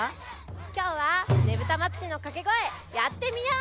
きょうはねぶたまつりのかけごえやってみよう！